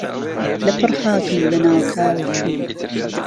له پڕ هات و، له ناکاو چوو